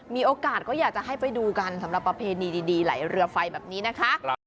มีโอกาสก็อยากจะให้ไปดูกันสำหรับประเพณีดีไหลเรือไฟแบบนี้นะคะ